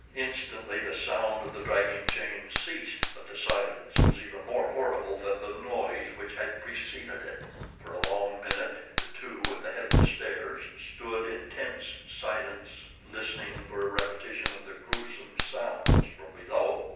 Instantly the sound of the dragging chain ceased; but the silence was even more horrible than the noise which had preceded it. For a long minute the two at the head of the stairs stood in tense silence listening for a repetition of the gruesome sounds from below.